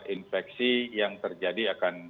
infeksi yang terjadi akan